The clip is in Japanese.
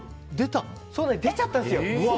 出ちゃったんです。